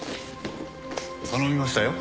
頼みましたよ。